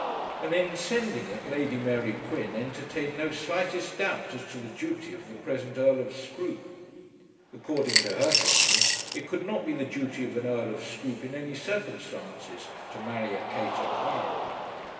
And in sending it Lady Mary Quin entertained no slightest doubt as to the duty of the present Earl of Scroope. According to her thinking it could not be the duty of an Earl of Scroope in any circumstances to marry a Kate O'Hara.